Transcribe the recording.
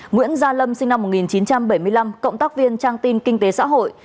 nguyễn gia lâm sinh năm một nghìn chín trăm bảy mươi năm cộng tác viên trang tin kinh tế xã hội